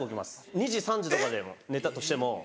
２時３時とかで寝たとしても。